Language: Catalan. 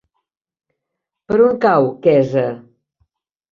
Per on cau Quesa?